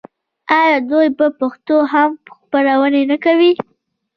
آیا دوی په پښتو هم خپرونې نه کوي؟